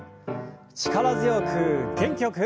力強く元気よく。